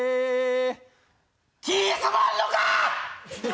気ぃ済まんのか！